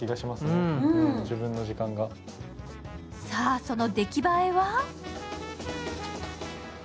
さあ、その出来栄えは？